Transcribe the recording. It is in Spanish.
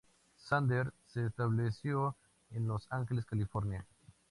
Sanders se estableció en Los Ángeles, California.